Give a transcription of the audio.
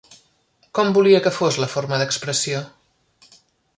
Com volia que fos la forma d'expressió?